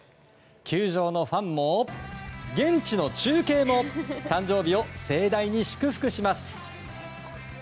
球場のファンも現地の中継も誕生日を盛大に祝福します。